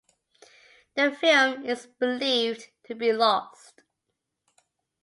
The film is believed to be lost.